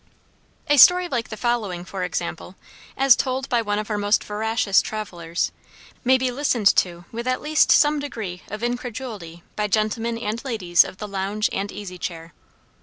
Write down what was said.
A story like the following, for example, as told by one of our most veracious travelers, may be listened to with at least some degree of incredulity by gentlemen and ladies of the lounge and easy chair.